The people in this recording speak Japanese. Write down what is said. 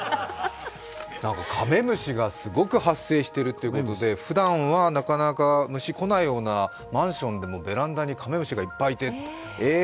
カメムシがすごく発生しているということで普段はなかなか虫が来ないようなマンションでも、ベランダにカメムシがいっぱいいてえっ？